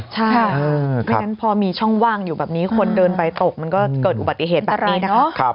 เพราะฉะนั้นพอมีช่องว่างอยู่แบบนี้คนเดินไปตกมันก็เกิดอุบัติเหตุแบบนี้นะคะ